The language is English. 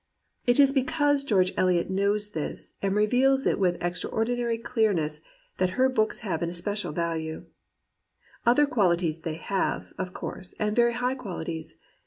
It is because George EUot knows this and reveals it with extraordinary clearness that her books have an especial value. Other quaHties they have, of course, and very high qualities.